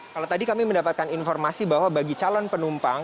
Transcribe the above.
kalau tadi kami mendapatkan informasi bahwa bagi calon penumpang